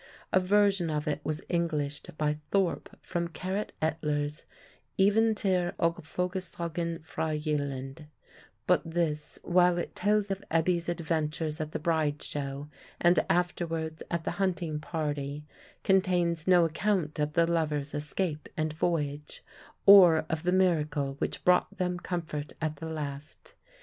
A version of it was Englished by Thorpe from Carit Etlar's "Eventyr og Folkesagen fra Jylland": but this, while it tells of Ebbe's adventures at the "Bride show," and afterwards at the hunting party, contains no account of the lovers' escape and voyage, or of the miracle which brought them comfort at the last.